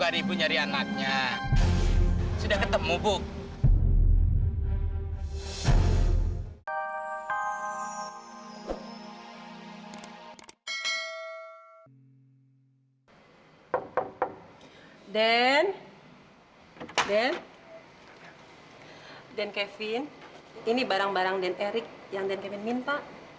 dan kevin ini barang barang dan eric yang dan kevin minta